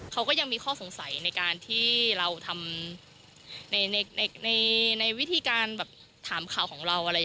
เขาก็มีข้อสงสัยในวิธีทำข่าวของเรา